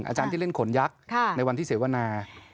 อาจารย์ที่เล่นขนยักษ์ในวันที่เสวนา